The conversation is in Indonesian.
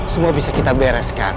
semua bisa kita bereskan